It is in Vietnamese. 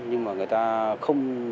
nhưng mà người ta không có tiền phục vụ